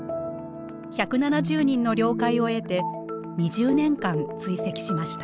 １７０人の了解を得て２０年間追跡しました。